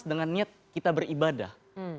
dengan niat kita beribadah